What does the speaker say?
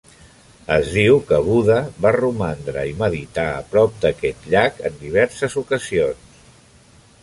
Es diu que Buda va romandre i meditar a prop d'aquest llac en diverses ocasions.